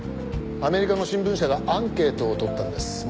アメリカの新聞社がアンケートを取ったんです。